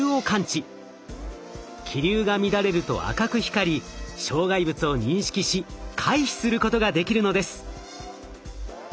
気流が乱れると赤く光り障害物を認識し回避することができるのです。